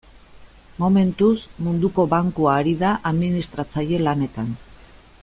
Momentuz, Munduko Bankua ari da administratzaile lanetan.